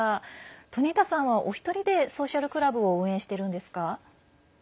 トニータさんはお一人でソーシャルクラブを運営してるんですか？